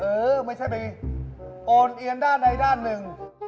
เออไม่ใช่ไปโอนเอียนด้านใดด้านหนึ่ง